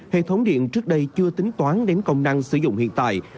hệ thống điện trước đây chưa tính toán đến công năng sử dụng hiện tại